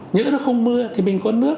nếu nó không mưa thì mình có nước